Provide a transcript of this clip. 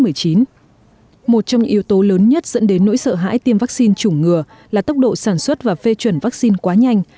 một trong những yếu tố lớn nhất dẫn đến nỗi sợ hãi tiêm vắc xin chủng ngừa là tốc độ sản xuất và phê chuẩn vắc xin quá nhanh